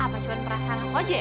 apa cuan perasaan aku aja ya